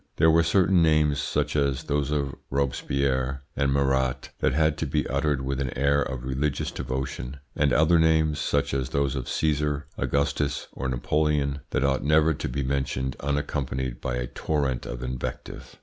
There were certain names, such as those of Robespierre and Marat, that had to be uttered with an air of religious devotion, and other names, such as those of Caesar, Augustus, or Napoleon, that ought never to be mentioned unaccompanied by a torrent of invective.